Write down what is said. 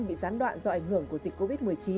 bị gián đoạn do ảnh hưởng của dịch covid một mươi chín